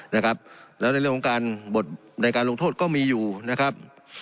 นะครับแล้วในเรื่องของการบทในการลงโทษก็มีอยู่นะครับ